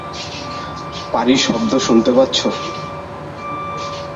পারি শব্দ শুনতে পাচ্ছ?